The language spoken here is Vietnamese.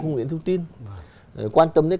không những thông tin quan tâm đến